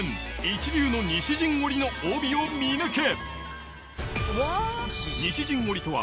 一流の西陣織の帯を見抜け！